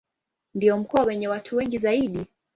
Ndio mkoa wenye watu wengi zaidi.